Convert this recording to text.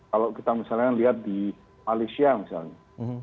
kalau kita misalnya lihat di malaysia misalnya